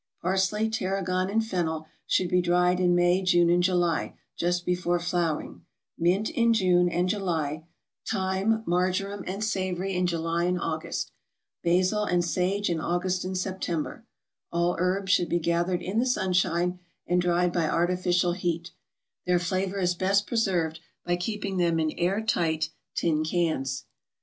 Parsley, tarragon and fennel, should be dried in May, June, and July, just before flowering; mint in June and July; thyme, marjoram, and savory in July and August; basil and sage in August and September; all herbs should be gathered in the sunshine, and dried by artificial heat; their flavor is best preserved by keeping them in air tight tin cans.